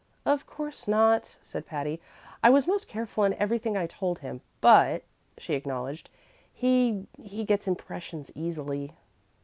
"Of course not," said Patty; "I was most careful in everything I told him. But," she acknowledged, "he he gets impressions easily."